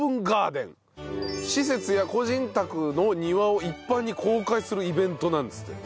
施設や個人宅の庭を一般に公開するイベントなんですって。